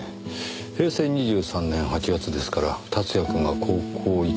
平成２３年８月ですから竜也くんが高校１年生ですか。